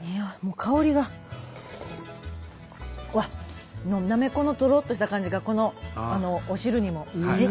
うわっナメコのとろっとした感じがこのお汁にも。